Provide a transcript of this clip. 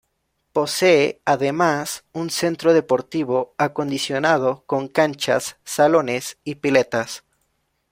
Posee además un centro deportivo acondicionado con canchas, salones y piletas.